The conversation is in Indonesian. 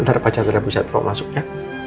nanti pak jantanaku siap bawa masuk ya